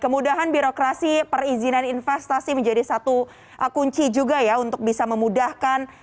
kemudahan birokrasi perizinan investasi menjadi satu kunci juga ya untuk bisa memudahkan